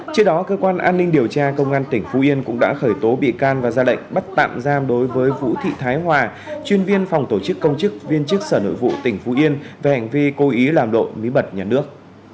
trước đó cơ quan an ninh điều tra công an tỉnh phú yên cũng đã khởi tố bị can và ra lệnh bắt tạm giam đối với vũ thị thái hòa chuyên viên phòng tổ chức công chức viên chức sở nội vụ tỉnh phú yên về hành vi cố ý làm đội bí mật nhà nước